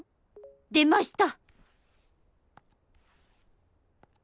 出ました。